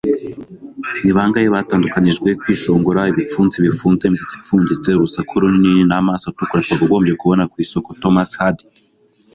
ni bangahe batandukanijwe, kwishongora, ibipfunsi bifunze, imisatsi ipfunditse, urusaku runini, n'amaso atukura twakagombye kubona ku isoko! - thomas hardy